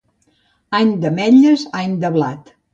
Any d'ametlles, any de blat.